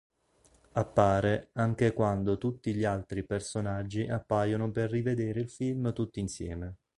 Appare anche quando tutti gli altri personaggi appaiono per rivedere il film tutti insieme.